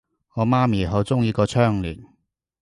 我媽咪好鍾意個窗簾